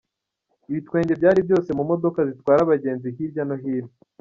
Ibitwenge byari byose mu modoka zitwara abagenzi hirya no hino.